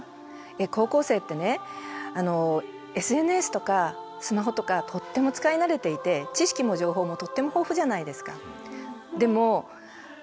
高校生ってねＳＮＳとかスマホとかとっても使い慣れていて知識も情報もとっても豊富じゃないですか。